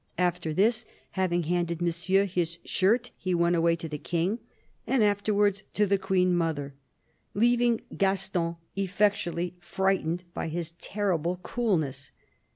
After this, having handed Monsieur his shirt, he went away to the King, and~ afterwards to the Queen mother" ... leaving Gaston effectually frightened by his terrible coolness.